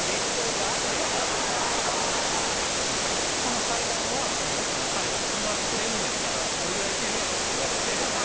この祭壇は彼が「車作れるんやったらこれぐらいいけるやろ」って言われて。